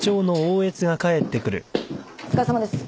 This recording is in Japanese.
お疲れさまです。